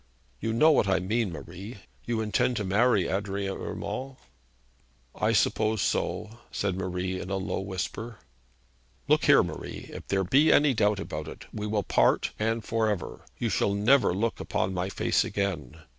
'You know what I mean, Marie. You intend to marry Adrian Urmand?' 'I suppose so,' said Marie in a low whisper. 'Look here, Marie, if there be any doubt about it, we will part, and for ever. You shall never look upon my face again.